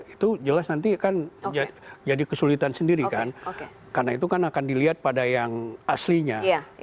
itu jelas nanti kan jadi kesulitan sendiri kan karena itu kan akan dilihat pada yang aslinya